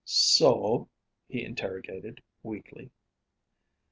"So?" he interrogated, weakly.